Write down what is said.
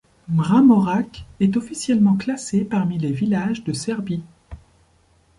Mramorak est officiellement classé parmi les villages de Serbie.